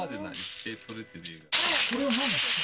これはなんですか？